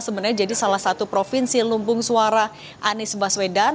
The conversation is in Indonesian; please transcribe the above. sebenarnya jadi salah satu provinsi lumpung suara anies baswedan